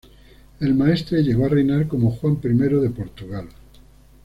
El maestre llegó a reinar como Juan I de Portugal.